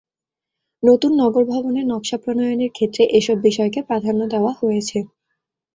নতুন নগর ভবনের নকশা প্রণয়নের ক্ষেত্রে এসব বিষয়কে প্রাধান্য দেওয়া হয়েছে।